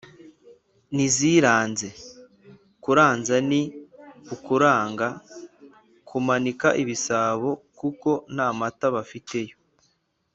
ntiziranze: kuranza ni ukuranga (kumanika) ibisabo kuko nta mata bafite yo